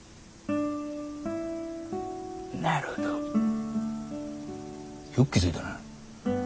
なるほどよく気付いたな。